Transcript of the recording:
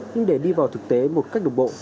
nhưng để đi vào thực tế một cách đồng bộ